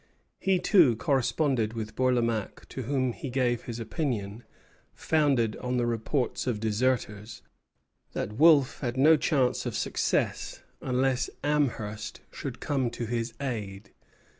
He too corresponded with Bourlamaque, to whom he gave his opinion, founded on the reports of deserters, that Wolfe had no chance of success unless Amherst should come to his aid.